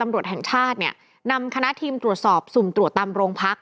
ตำรวจแห่งชาติเนี่ยนำคณะทีมตรวจสอบสุ่มตรวจตามโรงพัก